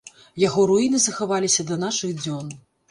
Яго руіны захаваліся да нашых дзён.